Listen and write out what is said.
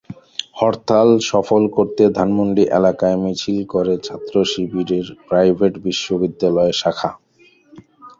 হরতাল সফল করতে ধানমন্ডি এলাকায় মিছিল করে ছাত্রশিবিরের প্রাইভেট বিশ্ববিদ্যালয় শাখা।